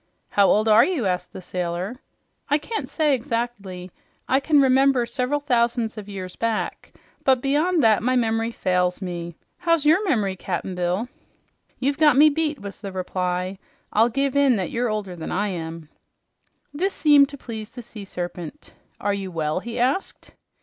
"How old are you?" asked the sailor. "I can't say exactly. I can remember several thousands of years back, but beyond that my memory fails me. How's your memory, Cap'n Bill?" "You've got me beat," was the reply. "I'll give in that you're older than I am." This seemed to please the sea serpent. "Are you well?" he asked.